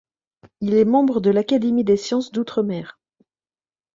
Il est membre de l'Académie des sciences d'outre-mer.